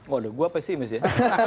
waduh gua pesimis ya